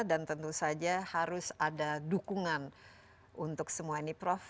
dan tentu saja harus ada dukungan untuk semua ini prof